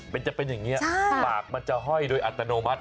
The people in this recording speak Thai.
มันจะเป็นอย่างนี้ปากมันจะห้อยโดยอัตโนมัติ